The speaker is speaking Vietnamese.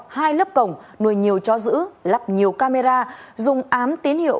hai lớp cổng nuôi nhiều chó giữ lắp nhiều camera dùng ám tín hiệu